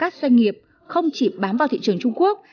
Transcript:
các doanh nghiệp không chỉ bám vào thị trường trung quốc